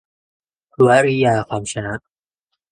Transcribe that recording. วริยา คำชนะ